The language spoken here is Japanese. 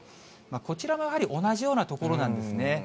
こちらもやはり同じような所なんですね。